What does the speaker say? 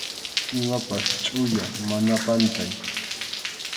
Imapas chʼuya, mana pantay.